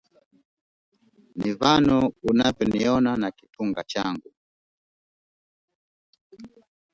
Mimi Vano unavyo niona na kitunga changu